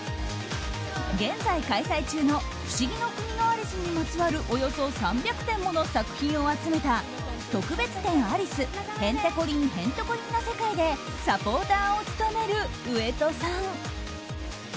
現在開催中の「不思議の国のアリス」にまつわるおよそ３００点もの作品を集めた「特別展アリス‐へんてこりん、へんてこりんな世界‐」でサポーターを務める上戸さん。